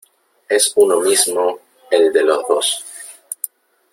es uno mismo el de los dos .